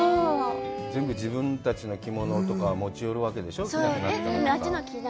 全部自分たちの着物とかを持ち寄るわけでしょう？